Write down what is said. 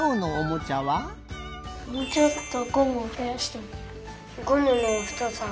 もうちょっとゴムをふやしてみる。